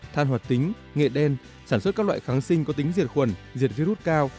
than hoạt tính nghệ đen sản xuất các loại kháng sinh có tính diệt khuẩn diệt virus cao